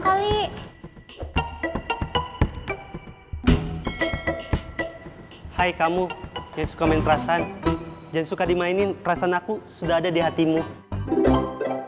kalau hai kamu kesukaan perasaan jangan suka dimainin perasaan aku udah ada di hatimu oldest denial